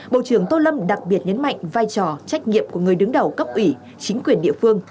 bộ trưởng tô lâm đặc biệt nhấn mạnh vai trò trách nhiệm của người đứng đầu cấp ủy chính quyền địa phương